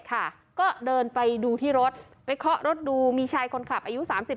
ก็เดินไปดูที่รถไปเคาะรถดูมีชายคนขับอายุ๓๐